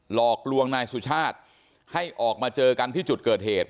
หลอกลวงนายสุชาติให้ออกมาเจอกันที่จุดเกิดเหตุ